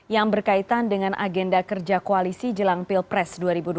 yang berkaitan dengan agenda kerja koalisi jelang pilpres dua ribu dua puluh